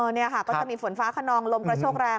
นี่ค่ะก็จะมีฝนฟ้าขนองลมกระโชกแรง